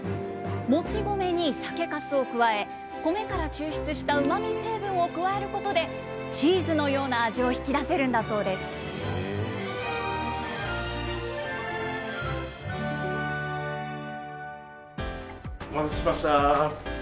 もち米に酒かすを加え、コメから抽出したうまみ成分を加えることで、チーズのような味をお待たせしました。